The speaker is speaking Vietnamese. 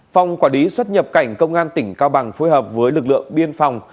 phòng quả đí xuất nhập cảnh công an tỉnh cao bằng phối hợp với lực lượng biên phòng